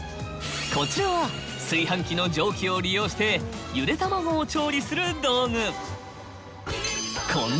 こちらは炊飯器の蒸気を利用してゆでたまごを調理する道具。